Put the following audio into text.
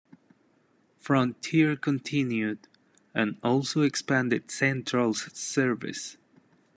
Frontier continued and also expanded Central's service.